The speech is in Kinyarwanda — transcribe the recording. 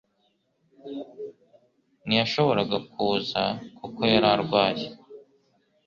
Ntiyashoboraga kuza kuko yari arwaye